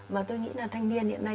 mà tôi nghĩ là thanh niên hiện nay